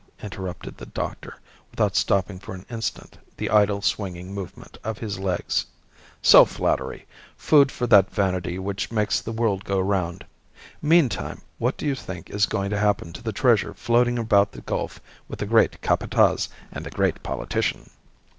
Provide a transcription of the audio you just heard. interrupted the doctor, without stopping for an instant the idle swinging movement of his legs. "Self flattery. Food for that vanity which makes the world go round. Meantime, what do you think is going to happen to the treasure floating about the gulf with the great Capataz and the great politician?"